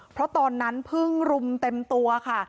เพราะตอนนั้นเพิ่งรุมเต็มตัวค่ะ